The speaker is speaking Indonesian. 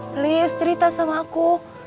please cerita sama aku